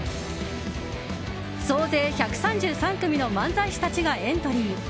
総勢１３３組の漫才師たちがエントリー。